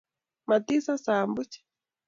matisasa boch